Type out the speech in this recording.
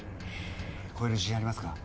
超える自信ありますか？